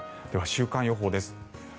では、週間予報です。